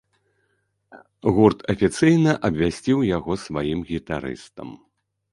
Гурт афіцыйна абвясціў яго сваім гітарыстам.